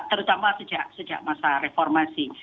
terutama sejak masa reformasi